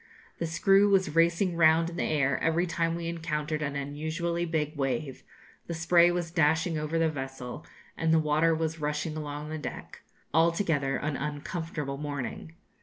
The screw was racing round in the air every time we encountered an unusually big wave; the spray was dashing over the vessel, and the water was rushing along the deck altogether an uncomfortable morning.